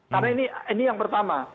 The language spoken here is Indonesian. karena ini yang pertama